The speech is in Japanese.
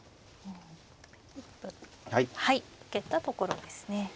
一歩受けたところですね。